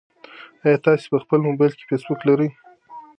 ایا تاسي په خپل موبایل کې فېسبوک لرئ؟